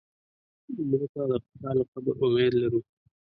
مړه ته د خوشاله قبر امید لرو